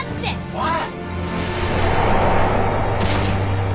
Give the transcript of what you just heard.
おい！